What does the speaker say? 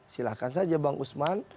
silahkan saja bang usman